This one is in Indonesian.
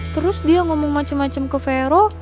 terus dia ngomong macem macem ke vero